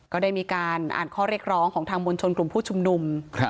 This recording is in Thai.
ก็ได้มีการอ่านข้อเรียกร้องของทางมวลชนกลุ่มผู้ชุมนุม